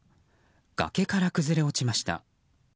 崖から崩れ落ちました。